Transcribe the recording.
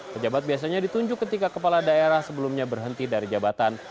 pejabat biasanya ditunjuk ketika kepala daerah sebelumnya berhenti dari jabatan